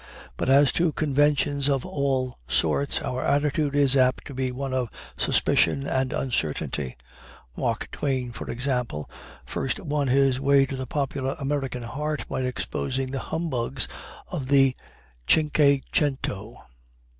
But as to conventions of all sorts, our attitude is apt to be one of suspicion and uncertainty. Mark Twain, for example, first won his way to the popular American heart by exposing the humbugs of the Cinque cento.